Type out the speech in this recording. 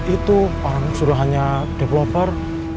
itu sudah hanya developer